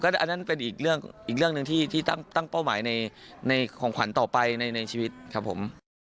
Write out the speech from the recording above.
อันนั้นเป็นอีกเรื่องหนึ่งที่ตั้งเป้าหมายในของขวัญต่อไปในชีวิตครับผม